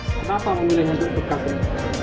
kenapa memilih handuk bekas ini